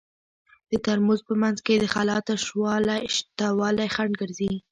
د ترموز په منځ کې د خلاء شتوالی خنډ ګرځي.